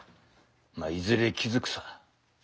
まいずれ気付くさ。